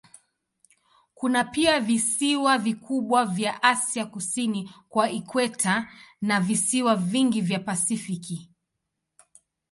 Kuna pia visiwa vikubwa vya Asia kusini kwa ikweta na visiwa vingi vya Pasifiki.